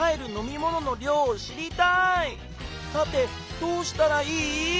さてどうしたらいい？